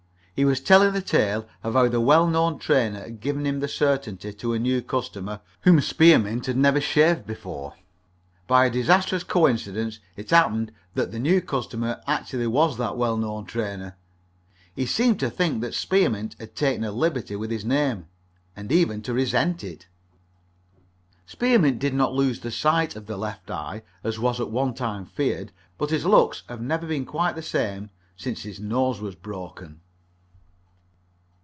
He was telling the tale of how the well known trainer had given him the certainty to a new customer, whom Spearmint had never shaved before. By a disastrous coincidence it happened that the new customer actually was that well known trainer. He seemed to think that Spearmint had taken a liberty with his name, and even to resent it. Spearmint did not lose the sight of the left eye, as was at one time feared, but his looks have never been quite the same since his nose was broken.